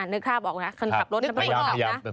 นึกคราบออกนะคนขับรถกันไม่ออก